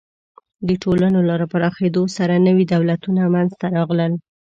د ټولنو له پراخېدو سره نوي دولتونه منځ ته راغلل.